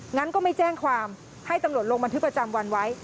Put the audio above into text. งั้นก็ไม่แจ้งความให้ตำรวจลงบันทึกประจำวันไว้